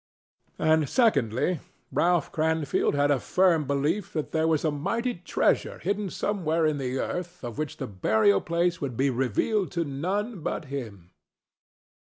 And, secondly, Ralph Cranfield had a firm belief that there was a mighty treasure hidden somewhere in the earth of which the burial place would be revealed to none but him.